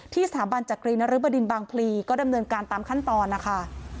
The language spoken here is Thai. สถาบันจักรีนรึบดินบางพลีก็ดำเนินการตามขั้นตอนนะคะ